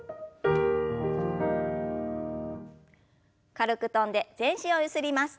軽く跳んで全身をゆすります。